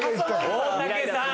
大竹さん